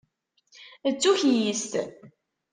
D tukyist.